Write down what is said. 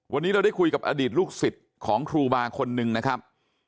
วันนี้เราได้คุยกับอดีตลูกศิษย์ของครูบาคนนึงนะครับ